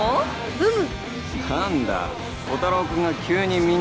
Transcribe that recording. うむ。